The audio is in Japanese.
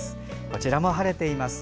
こちらも晴れています。